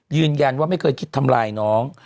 ยืนยันว่าไม่เคยคิดทำลายน้อง